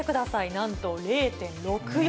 なんと０．６４。